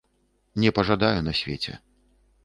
Не пажадаю на свеце.